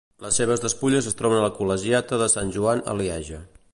Les seves despulles es troba a la col·legiata de Sant Joan a Lieja.